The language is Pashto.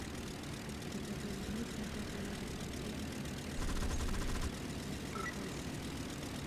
که د ټولنیزو نهادونو د پراختیا لپاره هڅه وسي، نو پرمختګ ممکن دی.